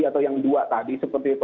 atau yang dua tadi seperti itu